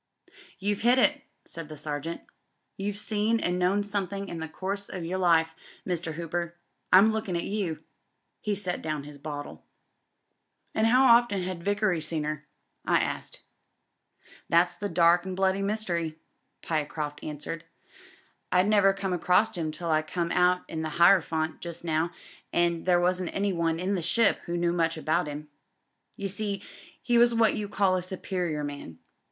"You've hit it," said the Sergeant. "You've seen an' known somethin' in the course o' your life, Mr. Hooper. I'm lookin' at youl" He set down his bottle. And how often had Vickery seen her?" I asked. That's the dark an' bloody mystery," Pyecroft fmrw^iredt "I'd oever come atqx>59 him till I coioe u tti 326 TRAFFICS AND DISCOVERIES out in the Hierophant just now, an' there wasn't any one in the ship who knew much about him. You see, he was what you call a superior man.